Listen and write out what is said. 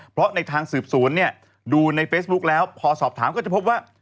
เพราะในทางสืบสวนเนี่ยดูในเฟซบุ๊คแล้วพอสอบถามก็จะพบว่า